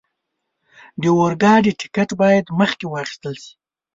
د اورګاډي ټکټ باید مخکې واخستل شي.